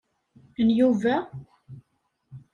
N Yuba?